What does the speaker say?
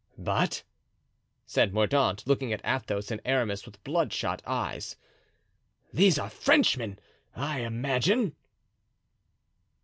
"But," said Mordaunt, looking at Athos and Aramis with bloodshot eyes, "these are Frenchmen, I imagine."